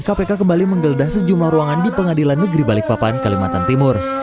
kpk kembali menggeledah sejumlah ruangan di pengadilan negeri balikpapan kalimantan timur